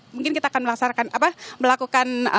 mungkin kita akan melakukan